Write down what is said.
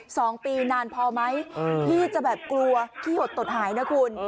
สองปีนานพอไหมที่จะแบบกลัวขี้หดตดหายนะคุณ